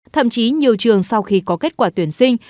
thậm chí nhiều trường sau khi có kết quả tuyển sinh